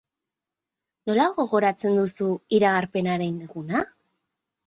Nola gogoratzen duzu iragarpenaren eguna?